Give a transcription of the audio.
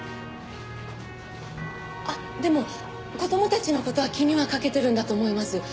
あっでも子供たちの事は気にはかけてるんだと思います。